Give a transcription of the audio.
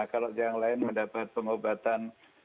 kalau yang lain mendapat pengobatan